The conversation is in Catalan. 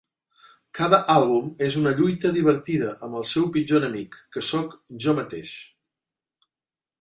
Cada àlbum és una lluita divertida amb el meu pitjor enemic, que sóc jo mateix.